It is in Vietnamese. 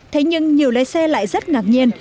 thế nhưng nhiều lấy xe lại rất ngạc nhiên